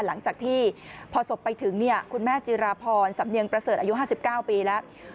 หลังจากที่พอศพไปถึงคุณแม่จิราพรสำเนียงประเสริฐอายุ๕๙ปีแล้ว